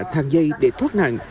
thàng dây để thoát nặng